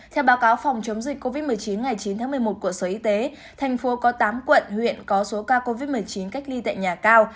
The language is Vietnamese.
theo báo cáo phòng chống dịch covid một mươi chín ngày chín tháng một mươi một của sở y tế thành phố có tám quận huyện có số ca covid một mươi chín cách ly tại nhà cao